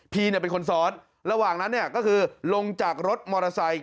เป็นคนซ้อนระหว่างนั้นเนี่ยก็คือลงจากรถมอเตอร์ไซค์